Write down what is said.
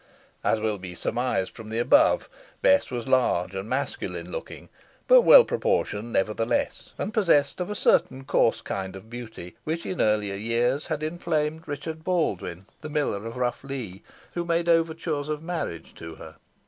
As will be surmised from the above, Bess was large and masculine looking, but well proportioned nevertheless, and possessed a certain coarse kind of beauty, which in earlier years had inflamed Richard Baldwyn, the miller of Rough Lee, who made overtures of marriage to her.